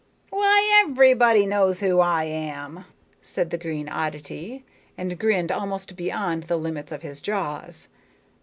"Why, everybody knows who I am," said the green oddity, and grinned almost beyond the limits of his jaws.